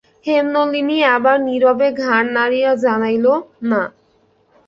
হেমনলিনী আবার নীরবে ঘাড় নাড়িয়া জানাইল, না।